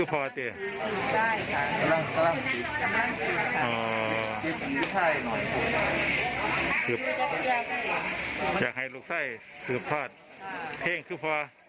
เพลงคือพ่อ